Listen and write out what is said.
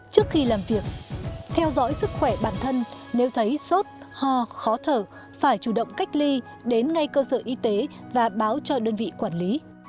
trước khi làm việc theo dõi sức khỏe bản thân nếu thấy sốt ho khó thở phải chủ động cách ly đến ngay cơ sở y tế và báo cho đơn vị quản lý